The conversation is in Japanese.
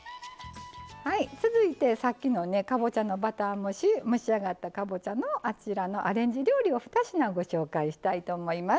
続いて、さっきのかぼちゃのバター蒸し蒸し上がったかぼちゃのアレンジ料理を２品ご紹介したいと思います。